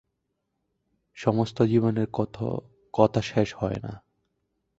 সমস্ত জীবনের কত কথা শেষ হয় না।